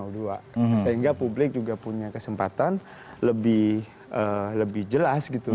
sehingga publik juga punya kesempatan lebih jelas gitu